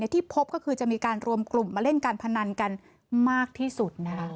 ที่พบก็คือจะมีการรวมกลุ่มมาเล่นการพนันกันมากที่สุด